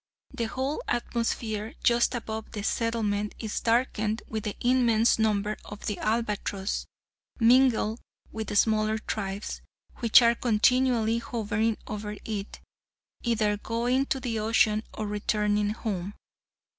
The whole atmosphere just above the settlement is darkened with the immense number of the albatross (mingled with the smaller tribes) which are continually hovering over it, either going to the ocean or returning home.